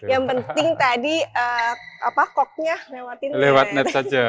yang penting tadi koknya lewat net saja